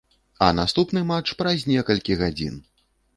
А наступны матч праз некалькі гадзін!